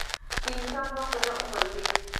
د انسان وخت دده عمر دی.